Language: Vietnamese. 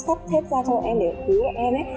sắt hết ra cho em để cứu em ấy